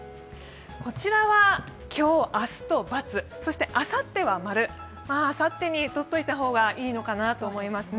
こちらは今日明日と×、そしてあさっては○、あさってにとっておいた方がいいのかなと思います。